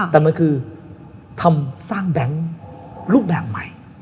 แต่มันคือทำสร้างแบงค์รูปแบบใหม่